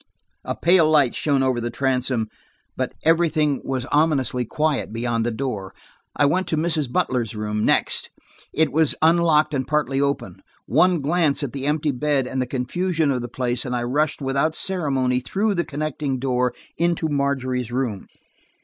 A pale light shone over the transom, but everything was ominously quiet, beyond the door. I went to Mrs. Butler's door, next; it was unlocked and partly open. One glance at the empty bed and the confusion of the place, and I rushed without ceremony through the connecting door into Margery's room.